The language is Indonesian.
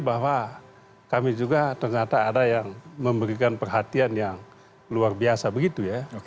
bahwa kami juga ternyata ada yang memberikan perhatian yang luar biasa begitu ya